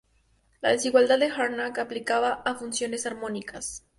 La desigualdad de Harnack aplicada a funciones armónicas.